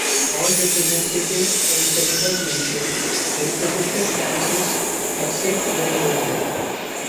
All representatives and senators mentioned represented Kansas except where noted.